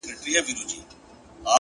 عشقه زه درته وزګار نه یمه درومه